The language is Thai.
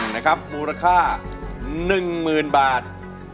๑นะครับมูลค่า๑หมื่นบาท